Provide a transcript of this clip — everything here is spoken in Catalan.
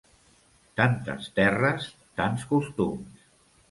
Tantes terres, tants costums.